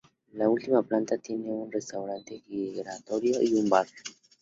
La última planta tiene un restaurante giratorio y un bar.